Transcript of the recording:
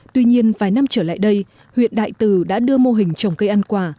tuy nhiên vài năm trở lại đây huyện đại từ đã đưa mô hình trồng cây ăn quả